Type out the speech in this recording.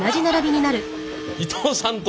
伊藤さんと。